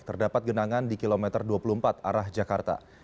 terdapat genangan di kilometer dua puluh empat arah jakarta